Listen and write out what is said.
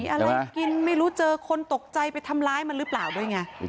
อะไรกินไม่รู้เจอคนตกใจไปทำร้ายมันหรือเปล่าด้วยไง